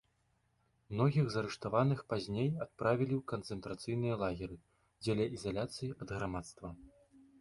Многіх з арыштаваных пазней адправілі ў канцэнтрацыйныя лагеры дзеля ізаляцыі ад грамадства.